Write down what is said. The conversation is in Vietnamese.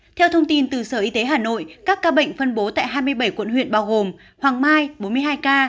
theo thông tin từ sở y tế hà nội các ca bệnh phân bố tại hai mươi bảy quận huyện bao gồm hoàng mai bốn mươi hai ca